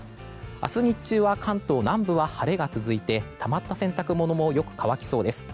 明日日中は関東南部は晴れが続いてたまった洗濯物もよく乾きそうです。